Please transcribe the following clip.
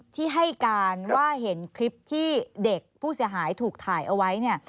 ที่ให้การว่าเห็นคลิปที่เด็กผู้เสียหายถูกถ่ายเอาไว้เนี่ย